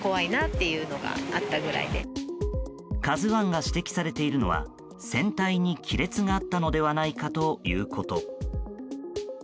「ＫＡＺＵ１」が指摘されているのは船体に亀裂があったのではないかということ。